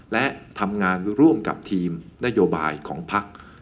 และทำงานร่วมกับทีมนโยบายของพัก